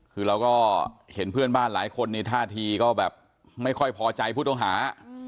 คือเราก็เห็นเพื่อนบ้านหลายคนในท่าทีก็แบบไม่ค่อยพอใจผู้ต้องหา